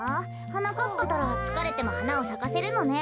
はなかっぱんったらつかれてもはなをさかせるのね。